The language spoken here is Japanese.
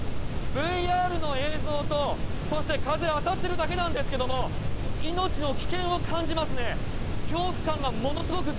ＶＲの映像と、そして風当たってるだけなんですけれども、命の危険を感じますね。